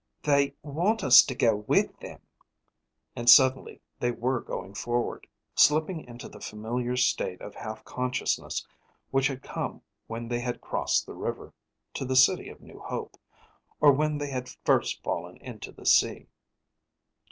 "They want us to go with them...." And suddenly they were going forward, slipping into the familiar state of half consciousness which had come when they had crossed the river, to the City of New Hope, or when they had first fallen into the sea.